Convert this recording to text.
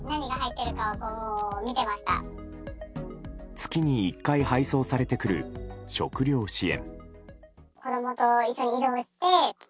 月に一回、配送されてくる食糧支援。